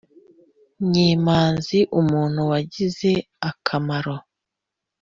nyemazi: umuntu wagize akamaro